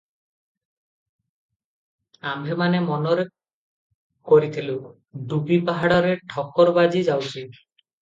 ଆମ୍ଭେମାନେ ମନରେ କରିଥିଲୁ, ଡୁବି ପାହାଡରେ ଠୋକର ବାଜି ଯାଉଛି ।